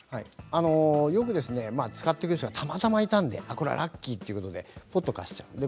よく使ってくれる人がたまたまいたのでこれはラッキーということでぽんと貸してしまう。